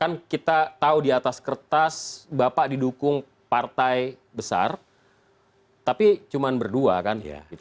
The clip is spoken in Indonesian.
kan kita tahu di atas kertas bapak didukung partai besar tapi cuma berdua kan